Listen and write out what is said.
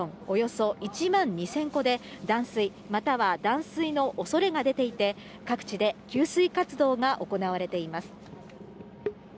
およそ１万２０００戸で断水、または断水のおそれが出ていて、各地で給水活動が行われています。